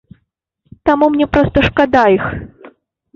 Таму мне проста шкада іх.